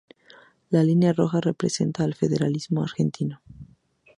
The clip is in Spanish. La línea roja representa al federalismo argentino.